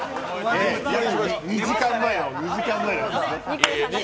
２時間前の。